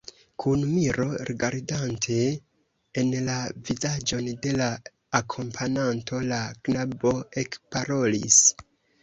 Kun miro rigardante en la vizaĝon de la akompananto, la knabino ekparolis.